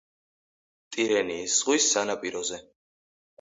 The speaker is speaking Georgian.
ტირენიის ზღვის სანაპიროზე.